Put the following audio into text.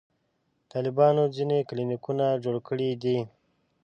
طالبانو ځینې کلینیکونه جوړ کړي دي.